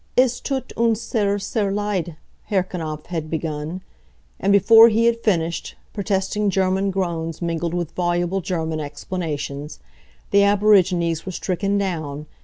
"Es thut uns sehr, sehr leid," Herr Knapf had begun. And before he had finished, protesting German groans mingled with voluble German explanations. The aborigines were stricken down.